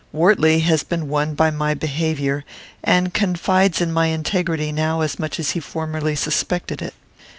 Wortley has been won by my behaviour, and confides in my integrity now as much as he formerly suspected it.